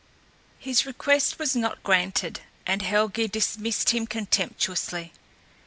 His request was not granted and Helgé dismissed him contemptuously.